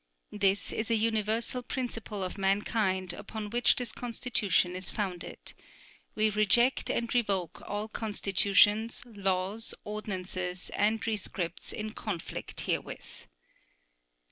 This is a universal principle of mankind upon which this Constitution is founded. We reject and revoke all constitutions, laws, ordinances, and rescripts in conflict herewith.